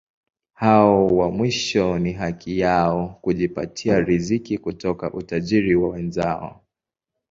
Hao wa mwisho ni haki yao kujipatia riziki kutoka utajiri wa wenzao.